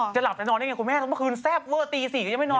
เธอยากเจ้านู่นคืนแซ่บเวอร์ที๔ก็ยังไม่นอน